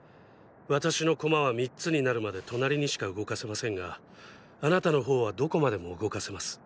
私のコマは３つになるまで隣にしか動かせませんがあなたの方はどこまでも動かせます。